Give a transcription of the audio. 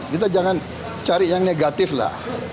kita jangan cari yang negatif lah